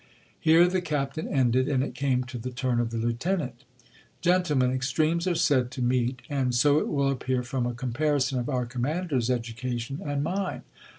Here the captain ended, and it came to the turn of the lieutenant. Gentle men, extremes are said to meet ;— and so it will appear from a comparison of our commander's education and mine.